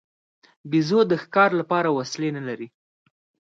بیزو د ښکار لپاره وسلې نه لري.